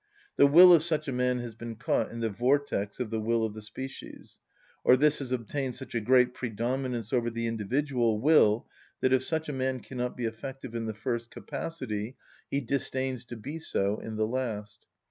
The will of such a man has been caught in the vortex of the will of the species, or this has obtained such a great predominance over the individual will that if such a man cannot be effective in the first capacity, he disdains to be so in the last.